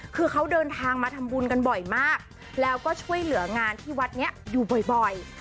คือเขาเดินทางมาทำบุญกันบ่อยมากแล้วก็ช่วยเหลืองานที่วัดนี้อยู่บ่อย